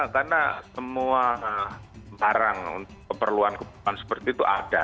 karena semua barang untuk keperluan keperluan seperti itu ada